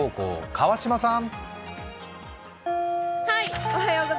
川島さん。